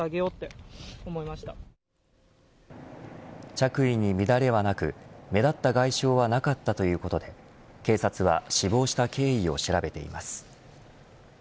着衣に乱れはなく目立った外傷はなかったということで警察は死亡した経緯を調べています。